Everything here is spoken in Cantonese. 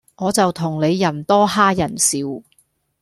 我就同你人多哈人少